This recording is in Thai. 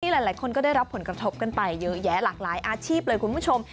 หลายคนก็ได้รับผลกระทบกันไปเยอะแยะหลากหลายอาชีพเลยคุณผู้ชม